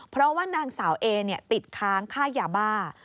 เพราะว่านางสาวเอติดค้างค่ายาบ้า